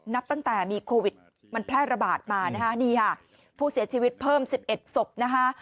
นับตั้งแต่มีโควิดมันแพร่ระบาดมานะคะนี่ค่ะผู้เสียชีวิตเพิ่ม๑๑ศพนะคะ